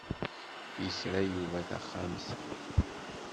Yekra Yuba taxxamt.